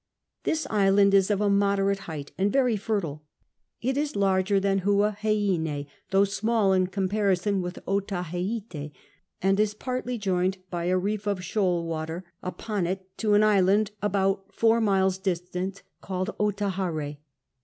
Tin's island is of a moderate height, and very fertile ; it is laiger than Huaheinc, though small in comparison with Otaheite, and is partly joined by a reef of shoal water it to an island ahoui four miles dishince called Olaliare.